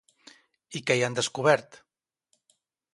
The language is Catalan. I què hi han descobert?